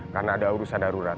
karena ada urusan darurat